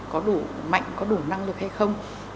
có đủ mạnh có đủ năng lực hay không